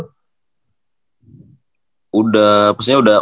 udah maksudnya udah tau lah basket itu apa gitu kan